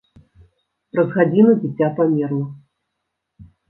Праз гадзіну дзіця памерла.